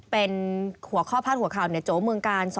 เป็นหัวข้อพาดหัวข่าวโจ๊เมืองกาล